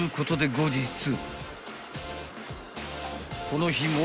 ［この日も］